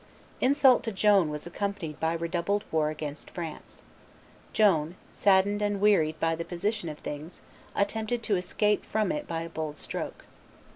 Insult to Joan was accompanied by redoubled war against France. Joan, saddened and wearied by the position of things, attempted to escape from it by a bold stroke.